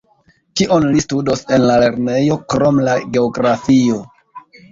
Kion li studos en la lernejo, krom la geografio?